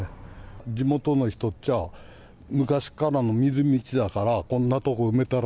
地元の人たちは、昔からの水の道だから、こんなとこ埋めたら、